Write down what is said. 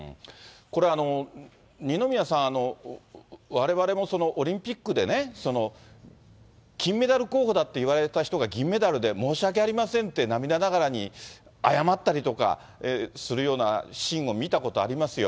これ、二宮さん、われわれもそのオリンピックでね、金メダル候補だって言われた人が銀メダルで申し訳ありませんって、涙ながらに謝ったりとかするようなシーンを見たことありますよ。